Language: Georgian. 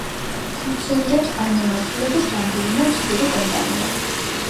ფუნქციონირებს ამ მიმართულების რამდენიმე მსხვილი კომპანია.